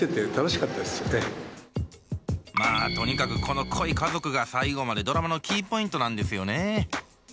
まあとにかくこの濃い家族が最後までドラマのキーポイントなんですよね。